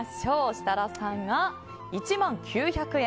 設楽さんが１万９００円。